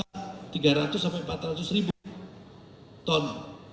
produksi kita tiga ratus empat ratus ribu ton